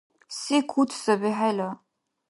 Се куц саби хӀела?